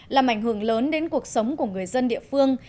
làm ảnh hưởng lớn đến cuộc sống của người dân địa phương